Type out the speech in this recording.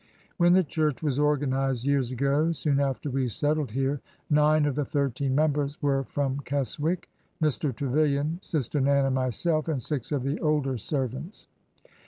When the church was organized years ago, soon after we settled here, nine of the thirteen members were from Keswick, —Mr. Trevilian, Sister Nan and myself, and six of the older servants."